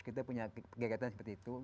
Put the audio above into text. kita punya kegiatan seperti itu